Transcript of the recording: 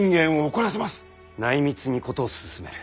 内密に事を進める。